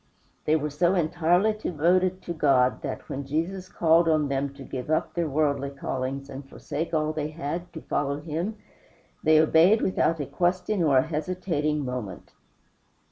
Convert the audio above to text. They were so entirely devoted to God that, when Jesus called on them to give up their worldly callings and forsake all they had, to follow him, they obeyed without a question or a hesitating moment.